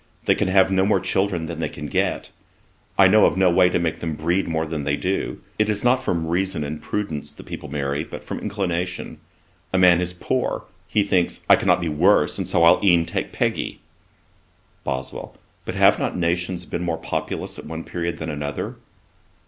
They can have no more children than they can get. I know of no way to make them breed more than they do. It is not from reason and prudence that people marry, but from inclination. A man is poor; he thinks, "I cannot be worse, and so I'll e'en take Peggy."' BOSWELL. 'But have not nations been more populous at one period than another?'